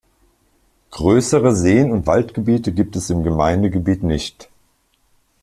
Größere Seen- und Waldgebiete gibt es im Gemeindegebiet nicht.